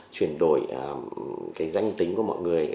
chuyển đổi cái danh tính của mọi người